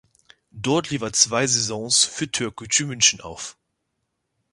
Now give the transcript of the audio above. Dort lief er zwei Saisons für Türk Gücü München auf.